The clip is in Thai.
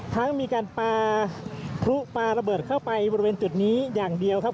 ทั้งมีการปลาพลุปลาระเบิดเข้าไปบริเวณจุดนี้อย่างเดียวครับ